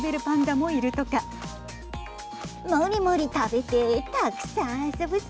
もりもり食べてたくさん遊ぶぞ。